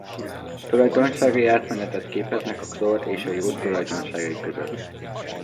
Tulajdonságai átmenetet képeznek a klór és a jód tulajdonságai között.